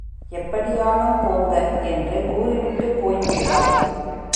எப்படியானும் போங்கோ! என்று கூறிவிட்டுப் போய் விடுவாள்.